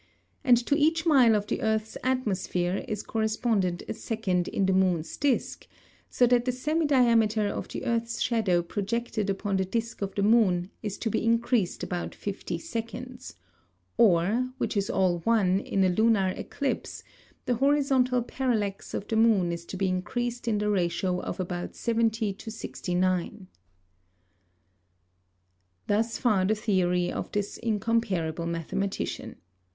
And to each Mile of the Earth's Atmosphere, is correspondent a Second in the Moon's Disk, so that the Semi diameter of the Earth's shadow projected upon the Disk of the Moon, is to be increased about 50 seconds: Or, which is all one, in a Lunar Eclipse, the Horizontal Parallax of the Moon is to be increased in the Ratio of about 70 to 69. Thus far the Theory of this Incomparable Mathematician.